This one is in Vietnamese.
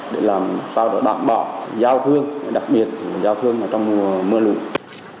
để làm sao để bảo đảm bảo giao thương đặc biệt giao thương trong mưa lụi